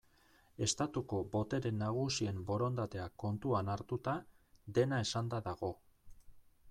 Estatuko botere nagusien borondatea kontuan hartuta, dena esanda dago.